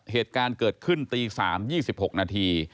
เหตุการณ์เกิดขึ้นตี๓๒๖นาที